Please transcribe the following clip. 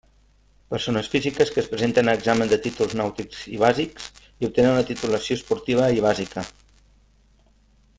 Persones físiques que es presenten a examen de títols nàutics i bàsics i obtenen la titulació esportiva i bàsica.